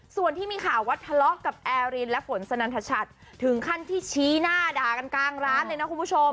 ส่วนที่มีข่าวว่าทะเลาะกับแอร์รินและฝนสนันทชัดถึงขั้นที่ชี้หน้าด่ากันกลางร้านเลยนะคุณผู้ชม